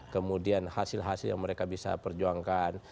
kemudian hasil hasil yang mereka bisa perjuangkan